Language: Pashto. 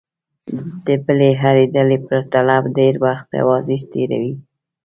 د بلې هرې ډلې پرتله ډېر وخت یوازې تېروي.